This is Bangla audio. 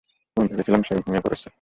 আমি ভেবেছিলাম, সে ঘুমিয়ে পড়েছে!